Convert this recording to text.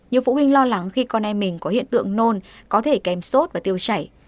nhiều phụ huynh lo lắng khi con em mình có hiện tượng nôn có thể kèm sốt và tiêu chảy